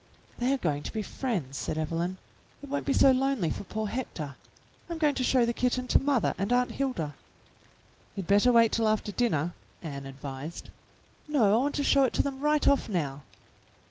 "They are going to be friends," said Evelyn. "It won't be so lonely for poor Hector. I'm going to show the kitten to mother and Aunt Hilda." "You'd better wait till after dinner," Ann advised. "No, I w^ant to show it to them right off now."